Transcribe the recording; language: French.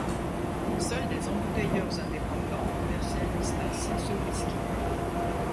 Seuls des embouteilleurs indépendants commercialisent ainsi ce whisky.